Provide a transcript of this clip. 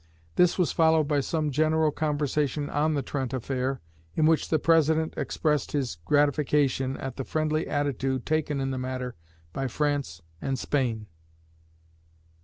This was followed by some general conversation on the Trent affair, in which the President expressed his gratification at the friendly attitude taken in the matter by France and Spain.